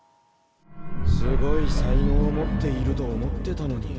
すごい才能を持っていると思ってたのに。